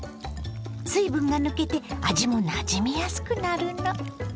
水分が抜けて味もなじみやすくなるの。